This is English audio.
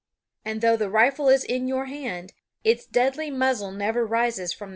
And though the rifle is in your hand, its deadly muzzle never rises from the trail.